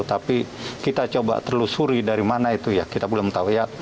tapi kita coba telusuri dari mana itu ya kita belum tahu ya